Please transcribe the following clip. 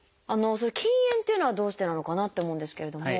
「禁煙」っていうのはどうしてなのかなと思うんですけれども。